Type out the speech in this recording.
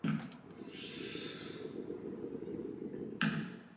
Alarma eman beharko litzatekeela iruditzen zaizu?